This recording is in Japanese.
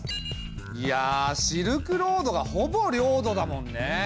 いやシルクロードがほぼ領土だもんね。